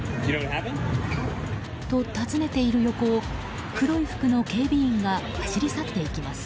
と、尋ねている横を黒い服の警備員が走り去っていきます。